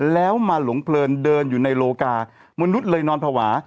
แล้วมาหลงเพลินเดินอยู่ในโลกามนุษย์เลยนอนภาวะ